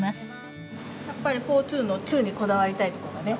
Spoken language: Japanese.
やっぱりフォーツーのツーにこだわりたいとこがね。